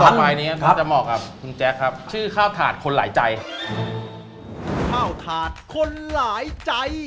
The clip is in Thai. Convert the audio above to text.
เมนูต่อไปอันนี้ก็จะเหมาะครับคุณแจ็คครับชื่อข้าวถาดคนหลายใจ